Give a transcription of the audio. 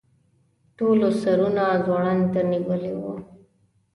ټولو سرونه ځوړند نیولي وو.